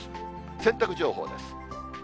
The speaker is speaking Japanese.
洗濯情報です。